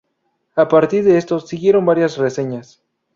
A partir de estos, siguieron varias reseñas.